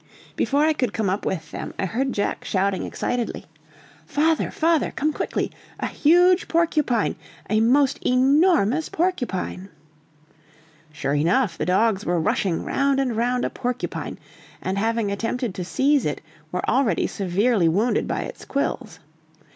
Before I could come up with them, I heard Jack shouting excitedly, "Father! father! come quickly! a huge porcupine! a most enormous porcupine!" Sure enough, the dogs were rushing round and round a porcupine, and having attempted to seize it, were already severely wounded by its quills.